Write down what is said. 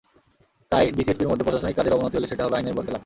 তাই ডিসি-এসপির মধ্যে প্রশাসনিক কাজের অবনতি হলে সেটা হবে আইনের বরখেলাপ।